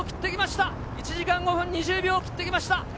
１時間５分２０秒を切ってきました。